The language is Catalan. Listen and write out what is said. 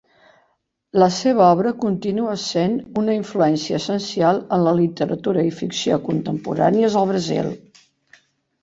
La seva obra continua sent una influència essencial en la literatura i ficció contemporànies al Brasil.